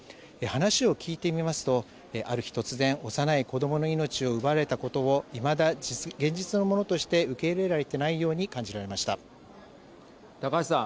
話を聞いてみますとある日突然、幼い子どもの命を奪われたことをいまだ現実のものとして受け入れられていないように高橋さん。